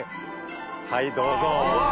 はいどうぞ。